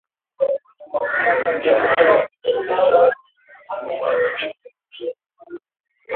Mnyama kujizungusha wakati wa hatua za mwisho ni dalili nyingine ya ndigana kali